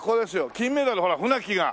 金メダルほら船木が。